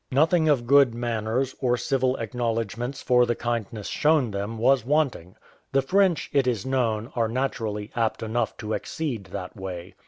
Nothing of good manners, or civil acknowledgments for the kindness shown them, was wanting; the French, it is known, are naturally apt enough to exceed that way.